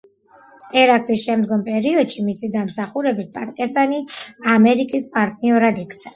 ტერაქტის შემდგომ პერიოდში მისი დამსახურებით პაკისტანი ამერიკის პარტნიორად იქცა.